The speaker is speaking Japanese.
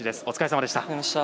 お疲れさまでした。